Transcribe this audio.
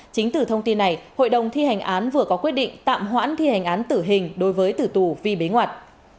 chính từ thông tin này hội đồng thi hành án vừa có quyết định tạm hoãn thi hành án tử hình đối với tử tù vi bế ngoạt